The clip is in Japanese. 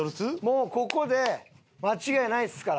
もうここで間違いないですから。